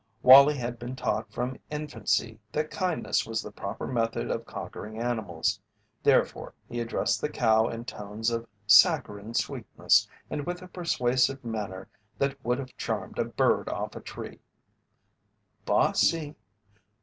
Wallie had been taught from infancy that kindness was the proper method of conquering animals, therefore he addressed the cow in tones of saccharine sweetness and with a persuasive manner that would have charmed a bird off a tree. "Bossy!